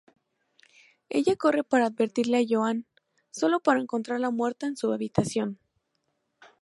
Ella corre para advertirle a Joanne, solo para encontrarla muerta en su habitación.